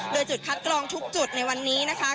โดยจุดคัดกรองทุกจุดในวันนี้นะคะ